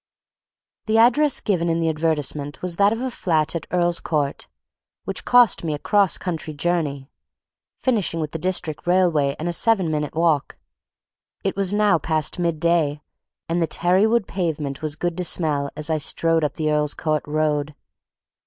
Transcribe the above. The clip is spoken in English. The address given in the advertisement was that of a flat at Earl's Court, which cost me a cross country journey, finishing with the District Railway and a seven minutes' walk. It was now past mid day, and the tarry wood pavement was good to smell as I strode up the Earl's Court Road.